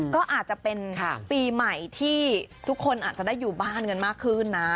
ก็อาจจะเป็นปีใหม่ที่ทุกคนอาจจะได้อยู่บ้านกันมากขึ้นนะ